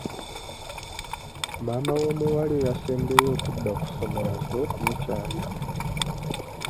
Maama w'omuwala eyasembyeyo okudda ku ssomero azze okumukyalira.